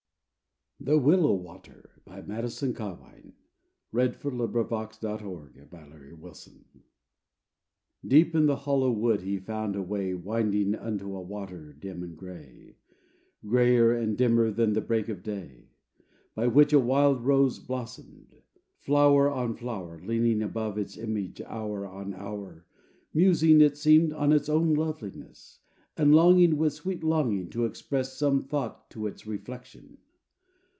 thought than perfumes from The absolute purity of a lily bloom? THE WILLOW WATER Deep in the hollow wood he found a way Winding unto a water, dim and gray, Grayer and dimmer than the break of day; By which a wildrose blossomed; flower on flower Leaning above its image hour on hour, Musing, it seemed, on its own loveliness, And longing with sweet longing to express Some thought to its reflection.